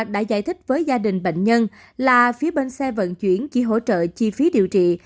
đã giải thích với gia đình bệnh nhân là phía bên xe vận chuyển chỉ hỗ trợ chi phí điều trị